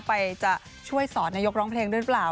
ไปจะช่วยสอนนายกร้องเพลงด้วยหรือเปล่า